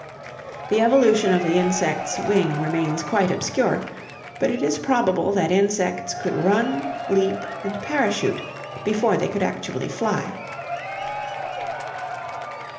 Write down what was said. The evolution of the insect's wing remains quite obscure, but it is probable that insects could run, leap, and parachute before they could actually fly.